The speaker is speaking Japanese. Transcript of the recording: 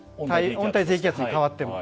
温帯低気圧に変わっても。